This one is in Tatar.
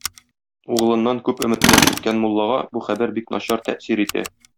Углыннан күп өметләр көткән муллага бу хәбәр бик начар тәэсир итә.